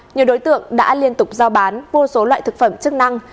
nhiều đối tượng đã liên tục giao bán vô số loại thực phẩm chức năng